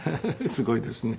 すごいですね。